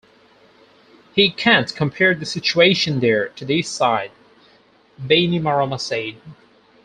He can't compare the situation there to this side," Bainimarama said.